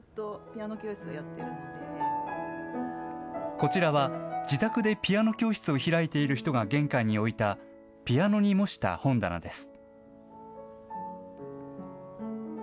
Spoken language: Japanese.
こちらは自宅でピアノ教室を開いている人が玄関に置いた、ピアノに模した本棚です。